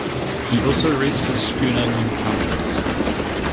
He also raced his schooner named "Countess".